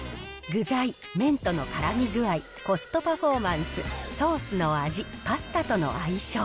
具材、麺とのからみ具合、コストパフォーマンス、ソースの味、パスタとの相性。